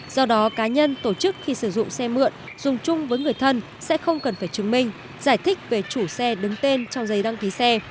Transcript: do đó cá nhân tổ chức khi sử dụng xe mượn dùng chung với người thân sẽ không cần phải chứng minh giải thích về chủ xe đứng tên trong giấy đăng ký xe